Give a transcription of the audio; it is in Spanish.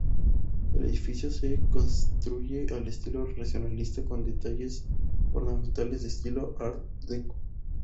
El edificio se construye en estilo racionalista, con detalles ornamentales de estilo art-decó.